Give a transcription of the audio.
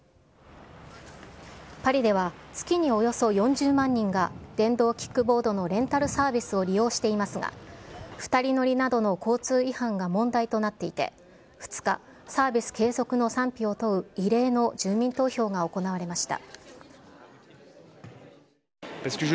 パリでは月におよそ４０万人が電動キックボードのレンタルサービスを利用していますが、２人乗りなどの交通違反が問題となっていて、２日、サービス継続の賛否を問う異例の住民投票が行われました。